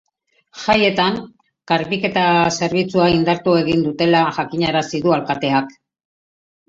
Jaietan, garbiketa zerbitzua indartu egin dutela jakinarazi du alkateak.